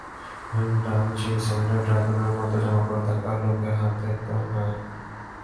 Dungeons and ড্রাগনের মতো জামা পরে থাকা লোকের হাতে তো নয়ই।